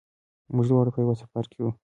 موږ دواړه په یوه سفر کې وو.